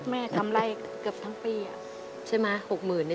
แม่ทำทรายประตูนิสัยกรรมใจเกือบทั้งปี